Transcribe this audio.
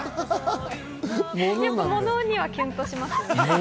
物にはキュンとします。